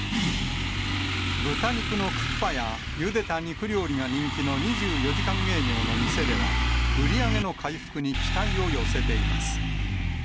豚肉のクッパやゆでた肉料理が人気の２４時間営業の店では、売り上げの回復に期待を寄せています。